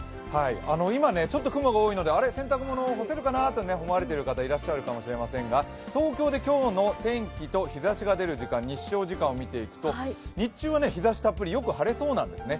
今、ちょっと雲が多いので洗濯物、干せるかなって思われる方いらっしゃるかもしれませんが東京で今日の天気と日ざしが出る時間、日照時間を見ていくと日中は日ざしたっぷりよく晴れそうなんですね。